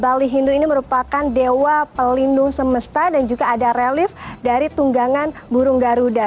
bali hindu ini merupakan dewa pelindung semesta dan juga ada relief dari tunggangan burung garuda